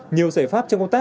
nhiều giải pháp cho công tác